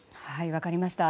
分かりました。